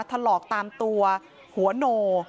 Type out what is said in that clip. ถลอกตามตัวหัวโน